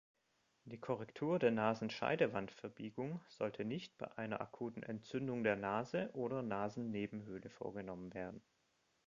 Die Korrektur der Nasenscheidewandverbiegung sollte nicht bei einer akuten Entzündung der Nase oder Nasennebenhöhle vorgenommen werden.